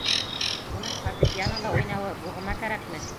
Уның фортепьянола уйнауы буғыма кәрәкме?